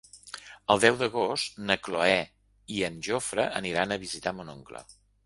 El deu d'agost na Cloè i en Jofre aniran a visitar mon oncle.